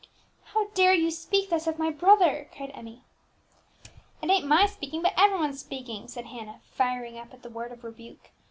"How dare you speak thus of my brother?" cried Emmie. "It ain't my speaking, but every one's speaking," said Hannah, firing up at the word of rebuke.